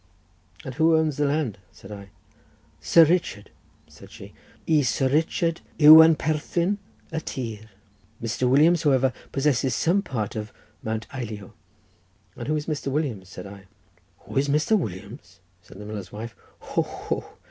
"And who owns the land?" said I. "Sir Richard," said she. "I Sir Richard yw yn perthyn y tîr. Mr. Williams, however, possesses some part of Mount Eilio." "And who is Mr. Williams?" said I. "Who is Mr. Williams?" said the miller's wife. "Ho, ho!